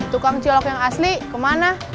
tukang cilok yang asli kemana